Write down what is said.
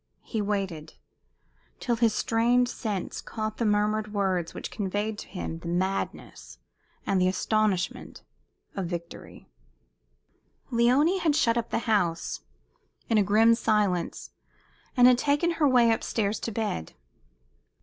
He waited, till his strained sense caught the murmured words which conveyed to him the madness and the astonishment of victory. Léonie had shut up the house, in a grim silence, and had taken her way up stairs to bed.